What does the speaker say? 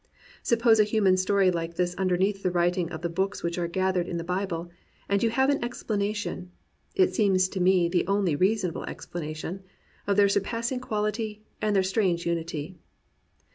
Suppose a human story like this underneath the writing of the books which are gathered in the Bible, and you have an explanation — it seems to me the only rea sonable explanation — of their surpassing quahty and their strange unity.